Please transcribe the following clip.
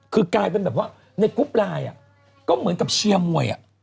คือกลายเป็นแบบว่าในกรุ๊ปไลน์ก็เหมือนกับเชียร์มวย